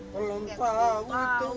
belum tahu itu